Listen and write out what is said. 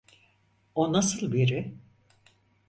O nasıl biri?